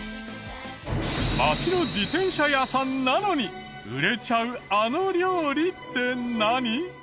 街の自転車屋さんなのに売れちゃうあの料理って何？